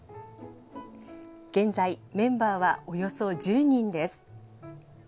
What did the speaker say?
現在、メンバーはおよそ１０人です。